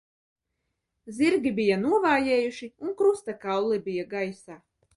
Zirgi bija novājējuši un krusta kauli bija gaisā.